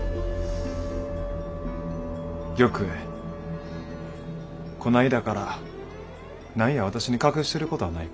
玉栄こないだから何や私に隠してることはないか？